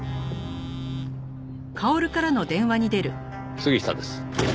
杉下です。